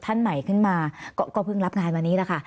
ท่านใหม่ขึ้นมาก็เพิ่งรับงานวันนี้แหละค่ะ